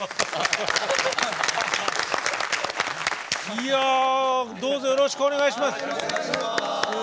いやどうぞよろしくお願いします。